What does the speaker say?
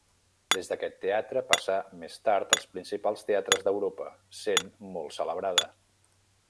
Des d'aquest teatre passà més tard als principals teatres d'Europa, sent molt celebrada.